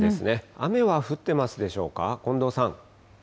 雨は降ってますでしょうか、近藤さん。